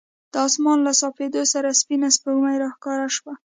د اسمان له صافېدو سره سپینه سپوږمۍ راښکاره شوه.